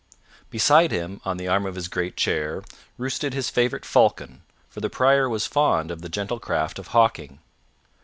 Beside him, on the arm of his great chair, roosted his favorite falcon, for the Prior was fond of the gentle craft of hawking.